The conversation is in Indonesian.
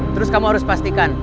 terus kamu harus pastikan